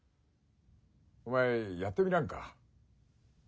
・お前やってみらんか？